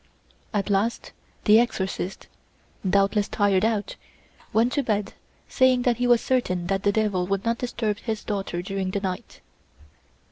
At last the exorcist, doubtless tired out, went to bed saying that he was certain that the devil would not disturb his daughter during the night.